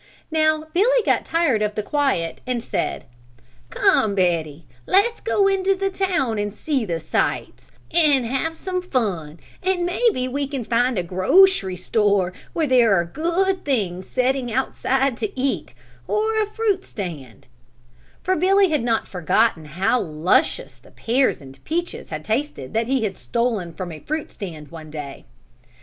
Now Billy got tired of the quiet and said, "Come Betty, let's go into the town and see the sights and have some fun, and maybe we can find a grocery store where there are good things setting outside to eat, or a fruit stand," for Billy had not forgotten how luscious the pears and peaches had tasted that he had stolen from a fruit stand one day.